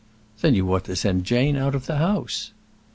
"Then you ought to send Jane out of the house."